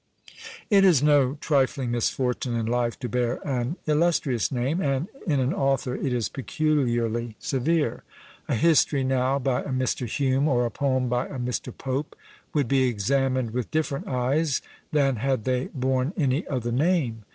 It is no trifling misfortune in life to bear an illustrious name; and in an author it is peculiarly severe. A history now by a Mr. Hume, or a poem by a Mr. Pope, would be examined with different eyes than had they borne any other name.